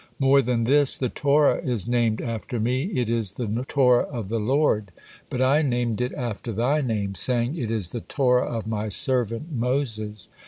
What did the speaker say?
More than this, the Torah is named after Me, it is the Torah of the Lord, but I named it after Thy name, saying, 'It is the Torah of My servant Moses.'